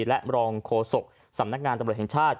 และรองโฆษกสำนักงานตำรวจแห่งชาติ